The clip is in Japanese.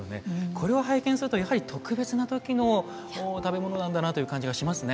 これを拝見するとやはり特別な時の食べ物なんだなという感じがしますね。